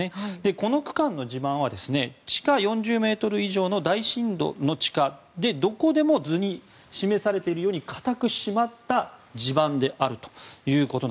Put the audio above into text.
この区間の地盤は地下４０ｍ以上の大深度地下の地下でどこでも図に示されているように硬く締まった地盤であると。